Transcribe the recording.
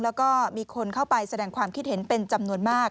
แล้วก็มีคนเข้าไปแสดงความคิดเห็นเป็นจำนวนมาก